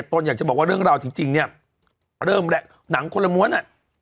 ตนอยากจะบอกว่าเรื่องราวจริงเนี่ยเริ่มแล้วหนังคนละม้วนอ่ะ